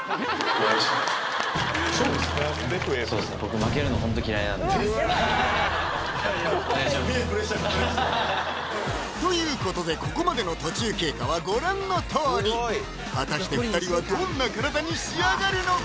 お願いしますということでここまでの途中経過はご覧のとおり果たして２人はどんな体に仕上がるのか？